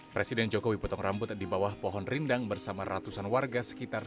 presiden jokowi potong rambut di bawah pohon rindang bersama ratusan warga sekitar